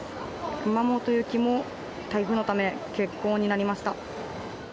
熊本行きも台風のため、欠航になりました。